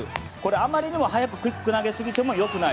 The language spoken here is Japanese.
あまりにも早くクイックを投げすぎても良くない。